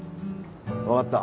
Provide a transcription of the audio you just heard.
わかった。